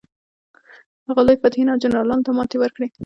هغوی لویو فاتحینو او جنرالانو ته ماتې ورکړې.